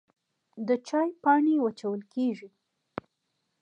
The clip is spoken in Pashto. د چای پاڼې وچول کیږي